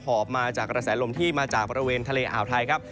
หอบมาจากกระแสลมที่มาจากบริเวณทะเลอ่าวไทยครับ